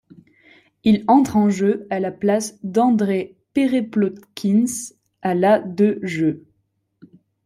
Il entre en jeu à la place d'Andrejs Perepļotkins à la de jeu.